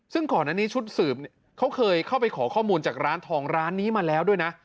ซึ่งก่อนอันนี้ชุดสืบเขาเคยเข้าไปขอข้อมูลจากร้านทองร้านนี้มาแล้วด้วยนะ